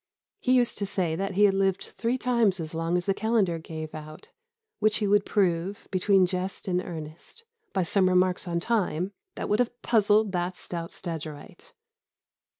He used to say that he had lived three times as long as the calendar gave out; which he would prove, between jest and earnest, by some remarks on Time, 'That would have puzzled that stout Stagyrite.